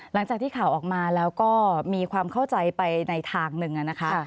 หลังจากที่ข่าวออกมาแล้วก็มีความเข้าใจไปในทางหนึ่งนะคะ